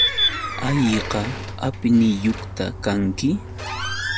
¿Hayka apniyuqta kanki?